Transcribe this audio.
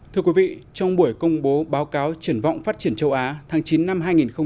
thưa quý vị trong buổi công bố báo cáo triển vọng phát triển châu á tháng chín năm hai nghìn hai mươi